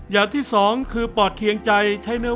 อย่างที่๒คือปอดเคียงใจ